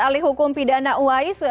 alih hukum pidana uais